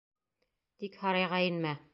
Тик һарайға инмә!